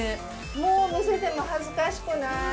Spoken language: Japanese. もう見せても恥ずかしくない。